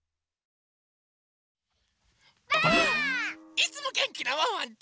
いつもげんきなワンワンと！